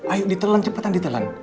ayo ditelan cepetan ditelan